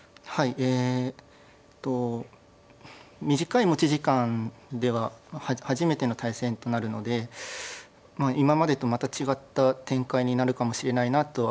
えっと短い持ち時間では初めての対戦となるので今までとまた違った展開になるかもしれないなとは思っています。